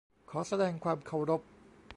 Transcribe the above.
ขอแสดงความเคารพ